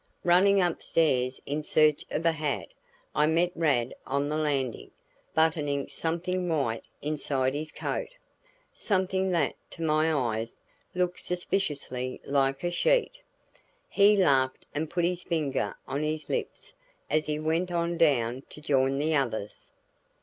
Running upstairs in search of a hat I met Rad on the landing, buttoning something white inside his coat, something that to my eyes looked suspiciously like a sheet. He laughed and put his finger on his lips as he went on down to join the others.